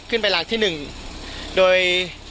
ขึ้นไปลางที่๑โดย